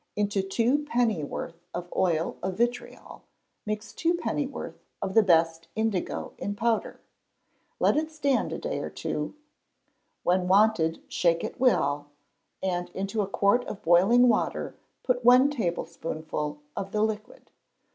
Into two pennyworth of oil of vitriol mix two pennyworth of the best indigo in powder; let it stand a day or two; when wanted shake it well, and into a quart of boiling water put one tablespoonful of the liquid.